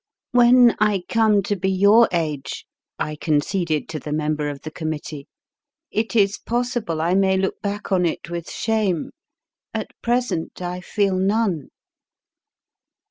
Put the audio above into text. When I come to be your age, 1 conceded to the member of the committee, it is possible I may look back on it with shame. At present I feel none.